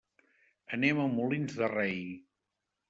Anem a Molins de Rei.